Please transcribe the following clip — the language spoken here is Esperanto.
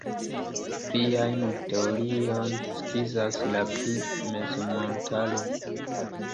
Pliajn teoriojn skizas la pri la mezmontaro.